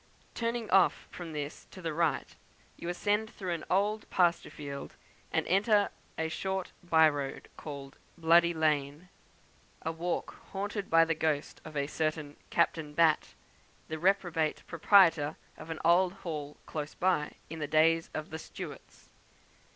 Turning off from this to the right, you ascend through an old pasture field, and enter a short by road, called the "Bloody Lane" a walk haunted by the ghost of a certain Captain Batt, the reprobate proprietor of an old hall close by, in the days of the Stuarts.